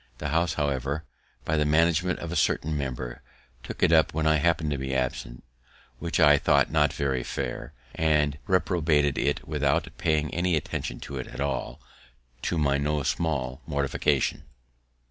The House, however, by the management of a certain member, took it up when I happen'd to be absent, which I thought not very fair, and reprobated it without paying any attention to it at all, to my no small mortification.